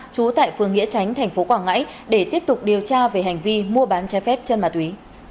trú tại phương nghĩa tránh tp quảng ngãi để tiếp tục điều tra về hành vi mua bán trái phép chân ma túy